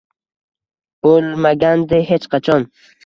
Bo’lmagandi hech qachon.